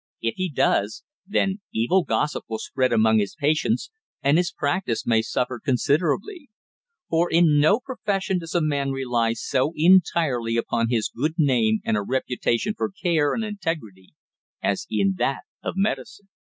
If he does, then evil gossip will spread among his patients and his practice may suffer considerably; for in no profession does a man rely so entirely upon his good name and a reputation for care and integrity as in that of medicine.